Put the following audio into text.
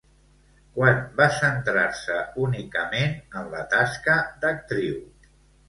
Quan va centrar-se únicament en la tasca d'actriu?